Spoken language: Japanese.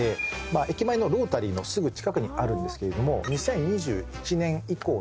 駅前のロータリーのすぐ近くにあるんですけれども。